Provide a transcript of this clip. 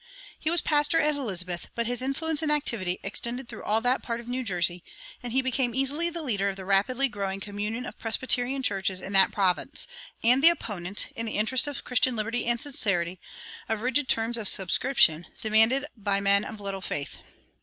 He was pastor at Elizabeth, but his influence and activity extended through all that part of New Jersey, and he became easily the leader of the rapidly growing communion of Presbyterian churches in that province, and the opponent, in the interest of Christian liberty and sincerity, of rigid terms of subscription, demanded by men of little faith.